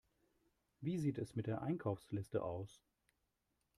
Wie sieht es mit der Einkaufsliste aus?